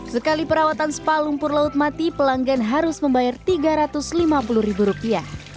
sekali perawatan spa lumpur laut mati pelanggan harus membayar tiga ratus lima puluh ribu rupiah